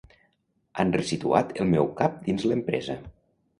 Han ressituat el meu cap dins l'empresa.